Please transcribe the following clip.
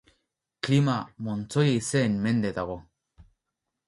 Klima montzoi haizeen mende dago.